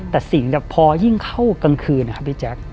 แต่สิ่งพอยิ่งเข้ากลางคืนนะครับพี่แจ๊ค